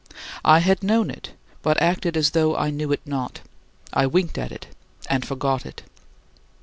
I had known it, but acted as though I knew it not I winked at it and forgot it.